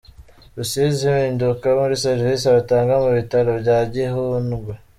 Rusizi Impinduka muri serivisi batanga mu bitaro bya Gihundwe